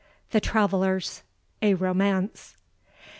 THE TRAVELLERS, A ROMANCE.